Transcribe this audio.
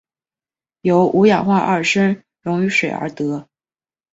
由五氧化二砷溶于水而得。